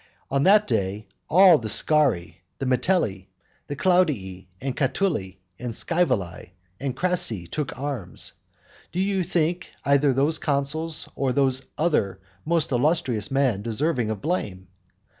On that day, all the Scauri, and Metelli, and Claudii, and Catuli, and Scaevolae, and Crassi took arms. Do you think either those consuls or those other most illustrious men deserving of blame?